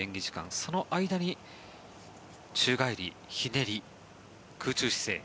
その間に宙返り、ひねり、空中姿勢